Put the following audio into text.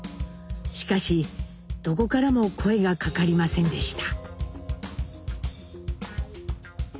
しかしどこからも声がかかりませんでした。